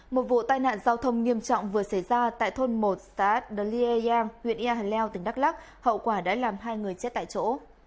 một vụ tai nạn giao thông nghiêm trọng vừa xảy ra tại thôn một xã dliang huyện ia hà leo tỉnh đắk lắc hậu quả đã làm hai người chết tại chỗ